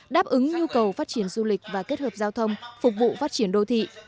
đáp ứng nhu cầu phát triển du lịch và kết hợp giao thông phục vụ phát triển đô thị